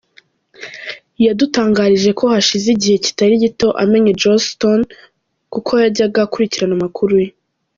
Yadutangarije ko hashize igihe kitari gito amenye Joss Stone kuko yajyaga akurikirana amakuru ye.